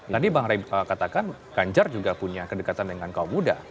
tadi bang ray katakan ganjar juga punya kedekatan dengan kaum muda